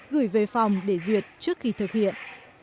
gửi về phòng để duyệt trước khi thực hiện